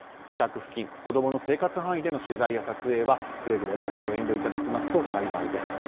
自宅付近、子供の生活範囲での取材や撮影はくれぐれもご遠慮いただけますと幸いです。